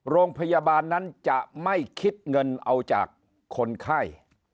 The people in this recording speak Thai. โรงพยาบาลนั้นจะไม่คิดเงินเอาจากคนไข้